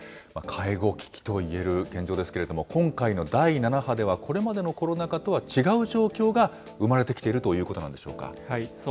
介護危機といえる現状ですけれども、今回の第７波ではこれまでのコロナ禍とは違う状況が生まれてきてそうなんです。